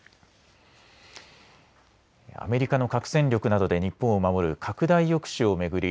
アメリカの核戦力などで日本を守る拡大抑止を巡り